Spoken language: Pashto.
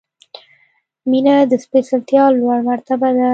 • مینه د سپېڅلتیا لوړه مرتبه ده.